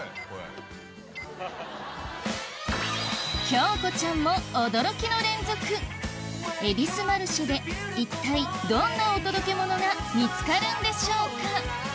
京子ちゃんも驚きの連続恵比寿マルシェで一体どんなお届けモノが見つかるんでしょうか？